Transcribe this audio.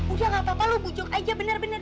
udah nggak apa apa lo bujok aja bener bener